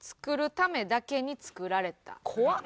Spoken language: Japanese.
怖っ！